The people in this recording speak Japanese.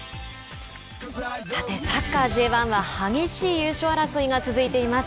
さてサッカーＪ１は激しい優勝争いが続いています。